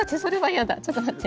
ちょっと待って！